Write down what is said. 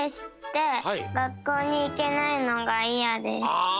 ああ！